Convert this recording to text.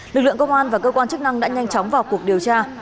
lực lượng công an và cơ quan chức năng đã nhanh chóng vào cuộc điều tra